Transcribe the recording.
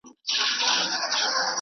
یو ناڅاپه پاس له لیري راښکاره سو